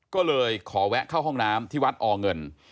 ก็เลยขอแวะเข้าห้องน้ำที่วัดอเงิน